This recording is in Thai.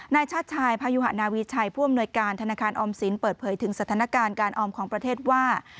ชาติชายพายุหะนาวีชัยผู้อำนวยการธนาคารออมสินเปิดเผยถึงสถานการณ์การออมของประเทศว่า